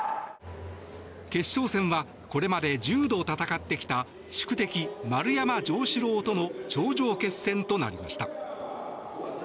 決勝戦はこれまで１０度戦ってきた宿敵・丸山城志郎との頂上決戦となりました。